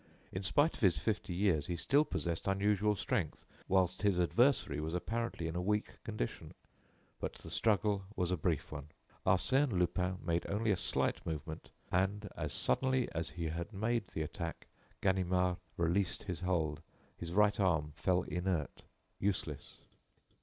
In spite of his fifty years, he still possessed unusual strength, whilst his adversary was apparently in a weak condition. But the struggle was a brief one. Arsène Lupin made only a slight movement, and, as suddenly as he had made the attack, Ganimard released his hold. His right arm fell inert, useless.